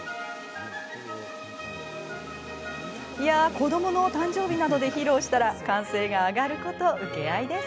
いや、子どもの誕生日などで披露したら歓声が上がること請け合いです。